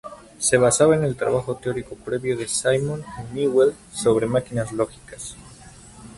Se basaba en el trabajo teórico previo de Simon y Newell sobre máquinas lógicas.